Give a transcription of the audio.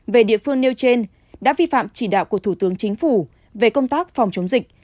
về địa phương nêu trên đã vi phạm chỉ đạo của thủ tướng chính phủ về công tác phòng chống dịch